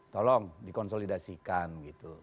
tolong dikonsolidasikan gitu